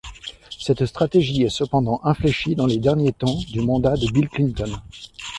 Cette stratégie est cependant infléchie dans les derniers temps du mandat de Bill Clinton.